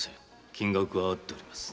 金額は合っております〕